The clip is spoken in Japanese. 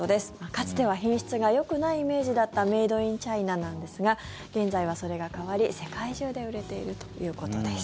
かつては品質がよくないイメージだったメイド・イン・チャイナなんですが現在はそれが変わり、世界中で売れているということです。